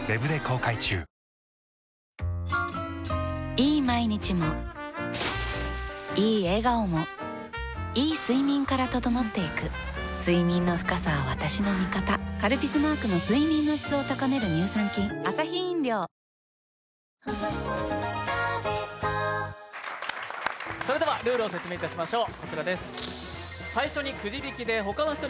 いい毎日もいい笑顔もいい睡眠から整っていく睡眠の深さは私の味方「カルピス」マークの睡眠の質を高める乳酸菌それではルールを説明いたしましょう。